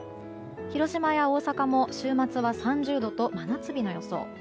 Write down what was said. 広島や大阪も週末は３０度と真夏日の予想。